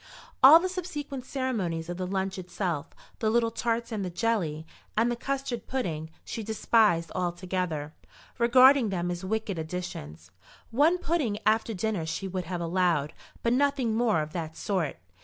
All the subsequent ceremonies of the lunch itself, the little tarts and the jelly, and the custard pudding, she despised altogether, regarding them as wicked additions. One pudding after dinner she would have allowed, but nothing more of that sort.